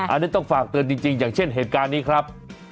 อันนี้ต้องฝากเตือนจริงอย่างเช่นเหตุการณ์นี้ครับ